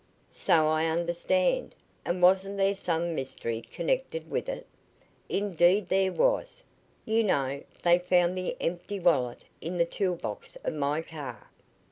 "So I understand. And wasn't there some mystery connected with it?" "Indeed, there was. You know, they found the empty wallet in the tool box of my car."